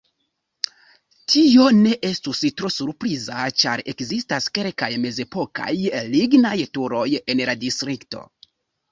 Tio ne estus tro surpriza ĉar ekzistas kelkaj mezepokaj lignaj turoj en la distrikto.